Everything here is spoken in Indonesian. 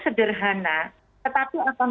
sederhana tetapi akan